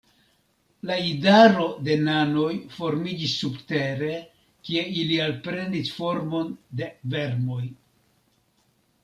La idaro de nanoj formiĝis subtere, kie ili alprenis formon de vermoj.